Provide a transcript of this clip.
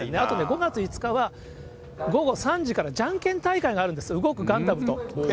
５月５日は午後３時からじゃんけん大会があるんです、動くガンダムと。